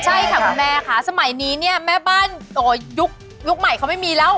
ใช่ค่ะคุณแม่ค่ะสมัยนี้เนี่ยแม่บ้านยุคใหม่เขาไม่มีแล้ว